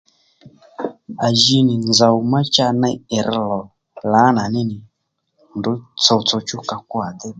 À ji nzòw má cha ney ì rr lò lǎnà ní nì ndrǔ tso tso chú ka kwo à dé ddò